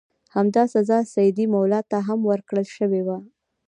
همدا سزا سیدي مولا ته هم ورکړل شوې وه.